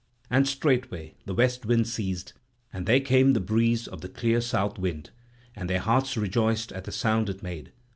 And straightway the west wind ceased, and there came the breeze of the clear south wind; and their hearts rejoiced at the sound it made.